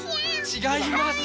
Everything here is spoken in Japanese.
ちがいます！